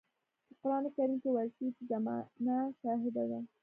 په قرآن کريم کې ويل شوي چې زمانه شاهده ده.